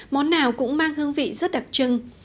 món nào cũng mang hương vị rất đặc trưng